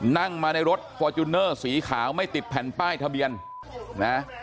นั่งมาในรถฟอร์จูเนอร์สีขาวไม่ติดแผ่นป้ายทะเบียนนะ